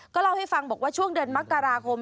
เล่าให้ฟังบอกว่าช่วงเดือนมกราคม